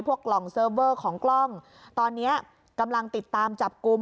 กล่องเซิร์ฟเวอร์ของกล้องตอนนี้กำลังติดตามจับกลุ่ม